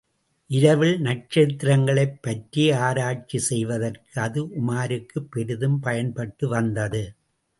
இரவில் நட்சத்திரங்களைப் பற்றி ஆராய்ச்சி செய்வதற்கு, அது உமாருக்குப் பெரிதும் பயன்பட்டு வந்தது.